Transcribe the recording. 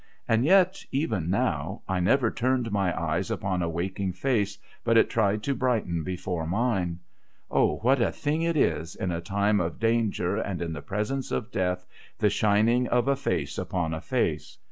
And yet, even now, I never turned my eyes upon a waking face but it tried to brighten before mine. O, what a thing it is, in a time of danger and in the presence of death, the shining of a face upon a face